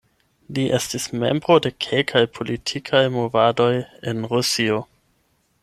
Li estas membro de kelkaj politikaj movadoj en Rusio.